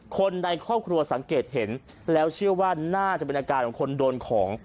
คนในครอบครัวสังเกตเห็นแล้วเชื่อว่าน่าจะเป็นอาการของคนโดนของ